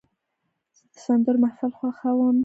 زه د سندرو محفل خوښوم.